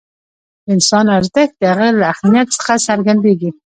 د انسان ارزښت د هغه له اهمیت څخه څرګندېږي.